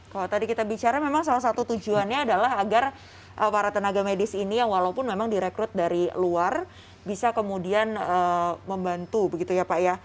kalau tadi kita bicara memang salah satu tujuannya adalah agar para tenaga medis ini yang walaupun memang direkrut dari luar bisa kemudian membantu begitu ya pak ya